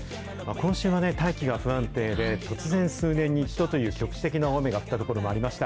今週は大気が不安定で、突然、数年に一度という局地的な大雨が降った所もありました。